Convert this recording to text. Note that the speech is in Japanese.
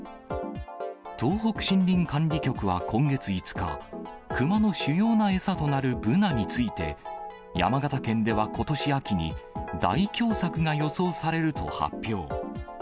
東北森林管理局は今月５日、クマの主要な餌となるブナについて、山形県ではことし秋に大凶作が予想されると発表。